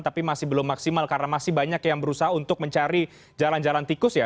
tapi masih belum maksimal karena masih banyak yang berusaha untuk mencari jalan jalan tikus ya